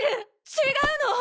違うの！